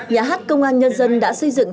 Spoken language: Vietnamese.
nhà hát công an nhân dân đã xây dựng